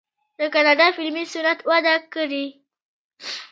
د کاناډا فلمي صنعت وده کړې.